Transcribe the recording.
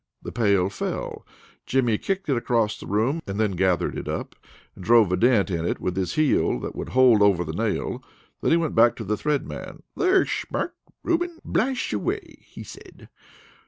The pail fell. Jimmy kicked it across the room, and then gathered it up, and drove a dent in it with his heel that would hold over the nail. Then he went back to the Thread Man. "Theresh mark, Ruben. Blash away!" he said.